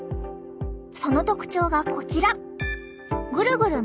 その特徴がこちら！